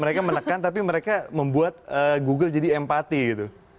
mereka menekan tapi mereka membuat google jadi empati gitu